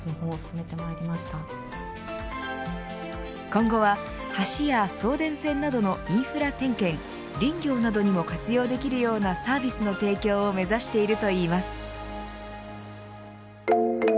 今後は橋や送電線などのインフラ点検林業などにも活用できるようなサービスの提供を目指しているといいます。